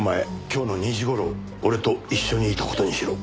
今日の２時頃俺と一緒にいた事にしろ。